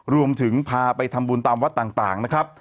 รวมถึงพาไปทำบุญตามวัดต่างนะครับ